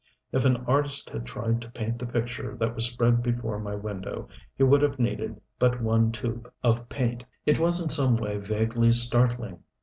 If an artist had tried to paint the picture that was spread before my window he would have needed but one tube of paint. It was in some way vaguely startling.